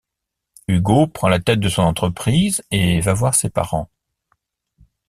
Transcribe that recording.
Hugo prend la tête de son entreprise et va voir ses parents.